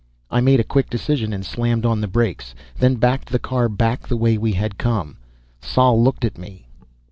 I made a quick decision and slammed on the brakes, then backed the car back the way we had come. Sol looked at me.